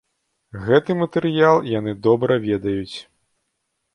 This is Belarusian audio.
Гэты матэрыял яны добра ведаюць.